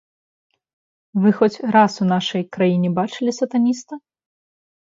Вы хоць раз у нашай краіне бачылі сатаніста?